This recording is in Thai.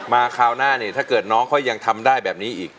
คราวหน้าเนี่ยถ้าเกิดน้องเขายังทำได้แบบนี้อีก